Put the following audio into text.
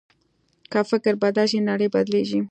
که فکر بدل شي، نړۍ بدلېږي.